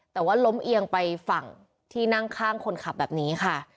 แต่ว่าล้มเอียงไปฝั่งที่นั่งข้างคนขับแบบนี้ค่ะ